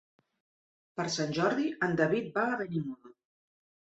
Per Sant Jordi en David va a Benimodo.